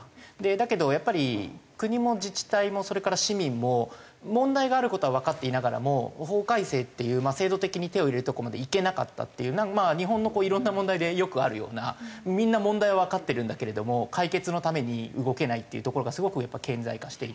だけどやっぱり国も自治体もそれから市民も問題がある事はわかっていながらも法改正っていう制度的に手を入れるとこまでいけなかったっていう日本のいろんな問題でよくあるようなみんな問題はわかってるんだけれども解決のために動けないっていうところがすごくやっぱ顕在化していて。